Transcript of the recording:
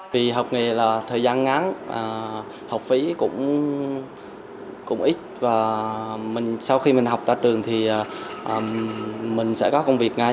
vì học nghề là thời gian ngắn học phí cũng ít và sau khi mình học ra trường thì mình sẽ có công việc ngay